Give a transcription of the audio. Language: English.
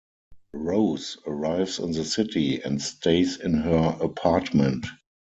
Rose arrives in the city and stays in her apartment.